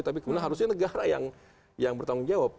tapi kemudian harusnya negara yang bertanggung jawab